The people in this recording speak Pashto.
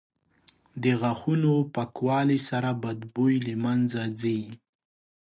• د غاښونو پاکوالي سره بد بوی له منځه ځي.